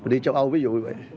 đi châu âu ví dụ